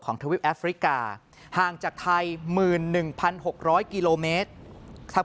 ของทวิปแอฟริกาห่างจากไทยหมื่นหนึ่งพันหกร้อยกิโลเมตรถ้า